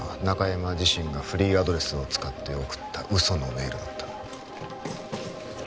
中山自身がフリーアドレスを使って送った嘘のメールだった